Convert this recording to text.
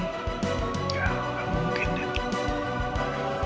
gak mungkin den